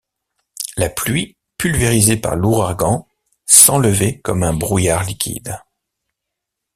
La pluie, pulvérisée par l’ouragan, s’enlevait comme un brouillard liquide